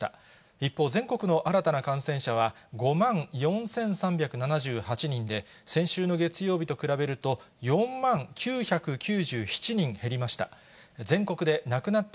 一方、全国の新たな感染者は５万４３７８人で、先週の月曜日と比べると、４万９９７人減りました。